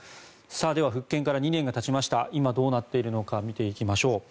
では、復権から２年が経ちまして今、どうなっているのか見ていきましょう。